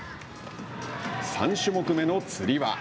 ３種目目のつり輪。